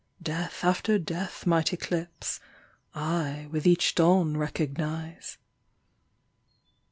Death after death might eclipse: I with each dawn recognise.